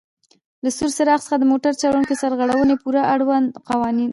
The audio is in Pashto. له سور څراغ څخه د موټر چلوونکي سرغړونې پورې آړوند قوانین: